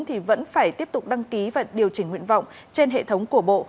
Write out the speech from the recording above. thì vẫn phải tiếp tục đăng ký và điều chỉnh nguyện vọng trên hệ thống của bộ